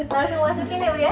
langsung masukin ya bu ya